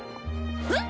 えっ！